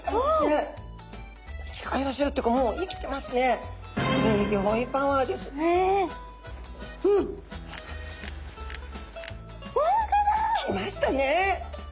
きましたね。